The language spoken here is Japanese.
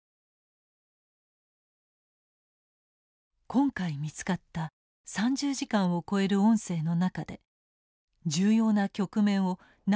今回見つかった３０時間を超える音声の中で重要な局面を何度も伝えていた通信兵がいる。